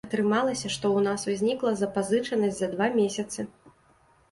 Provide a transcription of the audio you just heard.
Атрымалася, што ў нас узнікла запазычанасць за два месяцы.